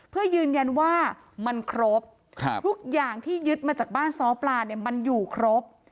เพื่อยืนยันว่ามันครบทุกอย่างที่ยึดมาจากบ้านซ้อปลาเนี่ยมันอยู่ครบ